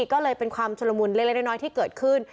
ก็เลยเป็นความชุลมุนเล็กน้อยที่เกิดขึ้น